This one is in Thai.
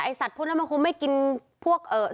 ไอ้สัตว์พวกนั้นคงไม่ลุยกับ